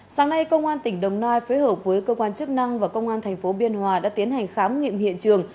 sáng nay công an tỉnh đồng nai phối hợp với cơ quan chức năng và công an tp biên hòa đã tiến hành khám nghiệm hiện trường